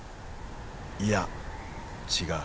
「いや違う